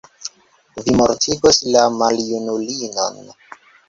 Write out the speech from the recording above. Vi mortigos la maljunulinon.